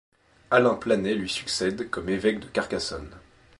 Alain Planet lui succède comme évêque de Carcassonne.